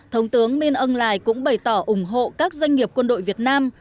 thống tướng minh âu lài cũng bày tỏ ủng hộ các doanh nghiệp quân đội việt nam